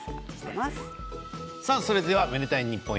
それでは「愛でたいｎｉｐｐｏｎ」